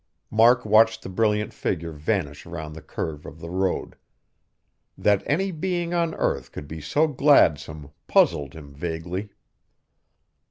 Mark watched the brilliant figure vanish around the curve of the road. That any being on earth could be so gladsome puzzled him vaguely.